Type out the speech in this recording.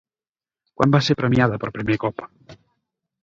Quan va ser premiada per primer cop?